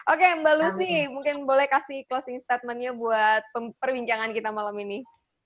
oke mbak luzi mungkin boleh kasih closing statement nya buat perbincangan kita malam ini